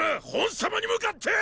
賁様に向かって！